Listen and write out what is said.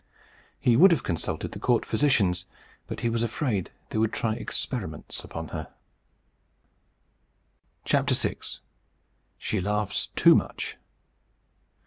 He would have consulted the court physicians; but he was afraid they would try experiments upon her. VI. SHE LAUGHS TOO MUCH.